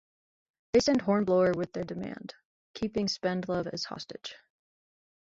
They send Hornblower with their demand, keeping Spendlove as hostage.